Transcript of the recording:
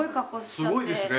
すごいですね。